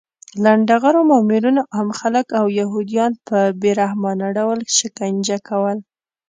لنډغرو مامورینو عام خلک او یهودان په بې رحمانه ډول شکنجه کول